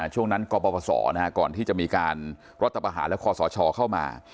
ช่วงนั้นกรปศก่อนที่จะมีการรัฐประหารและคอสชเข้ามา